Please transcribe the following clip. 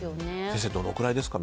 先生、どのくらいですか？